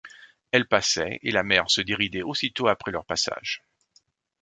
Elles passaient, et la mer se déridait aussitôt après leur passage.